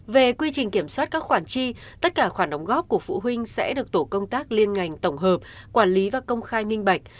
về quy trình kiểm soát các khoản chi tất cả khoản đóng góp của phụ huynh sẽ được tổ công tác liên ngành tổng hợp quản lý và công khai minh bạch